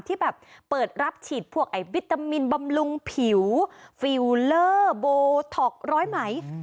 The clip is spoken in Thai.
ที่แบบเปิดรับฉีดพวกไอ้วิตามินบำรุงผิวฟิลเลอร์โบท็อกร้อยไหม